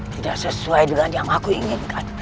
tidak sesuai dengan yang aku inginkan